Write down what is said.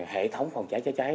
hệ thống phòng cháy chữa cháy